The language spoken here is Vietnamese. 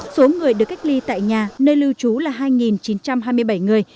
số người được cách ly tại nhà nơi lưu trú là hai chín trăm hai mươi bảy người